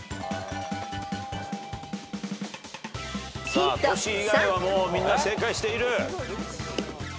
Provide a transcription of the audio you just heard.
さあトシ以外はもうみんな正解している。